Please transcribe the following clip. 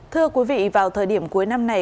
thưa quý vị vào thời điểm cuối năm này